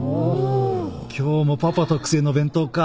今日もパパ特製の弁当か。